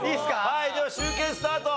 はいでは集計スタート。